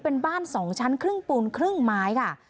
เป็นบ้าน๒ชั้นครึ่งปูนครึ่งไม้ค่ะ